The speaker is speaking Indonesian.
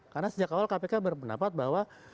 karena sejak awal kpk berpendapat bahwa